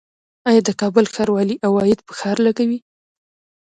آیا د کابل ښاروالي عواید په ښار لګوي؟